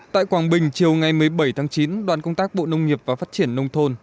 tại quảng bình chiều ngày một mươi bảy tháng chín đoàn công tác bộ nông nghiệp và phát triển nông thôn